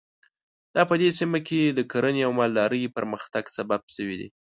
دا په دې سیمه کې د کرنې او مالدارۍ پرمختګ سبب شوي دي.